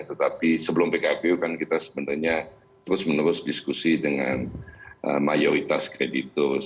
tetapi sebelum pkpu kan kita sebenarnya terus menerus diskusi dengan mayoritas kreditus